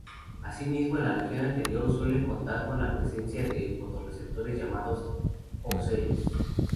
Asimismo en la región anterior suelen contar con la presencia de fotorreceptores llamados ocelos.